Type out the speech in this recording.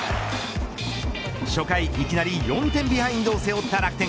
初回、いきなり４点ビハインドを背負った楽天。